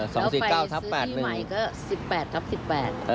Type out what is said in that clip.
สองสี่เก้าทับ๘๑แล้วไปซื้อที่ใหม่ก็๑๘ทับ๑๘